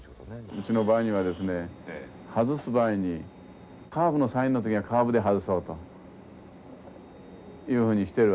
うちの場合にはですね外す場合にカーブのサインの時はカーブで外そうというふうにしてるわけですね。